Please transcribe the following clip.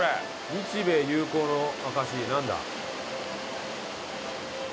日米友好の証しなんだ？